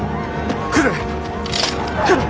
来る！